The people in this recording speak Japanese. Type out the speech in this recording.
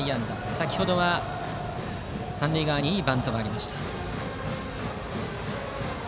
先程は三塁側にいいバントがありました。